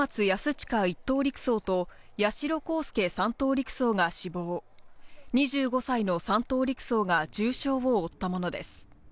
親１等陸曹と八代航佑３等陸曹が死亡、２５歳の３等陸曹が重傷を負ったものです。